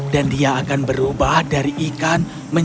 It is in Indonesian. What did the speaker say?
dan dia akan berubah dari ikan menjelaskanmu